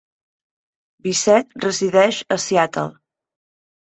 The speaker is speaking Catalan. Bissett resideix a Seattle.